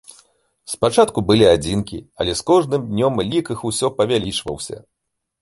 Спачатку былі адзінкі, але з кожным днём лік іх усё павялічваўся.